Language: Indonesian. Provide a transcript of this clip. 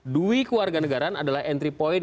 duit warga negaraan adalah entry point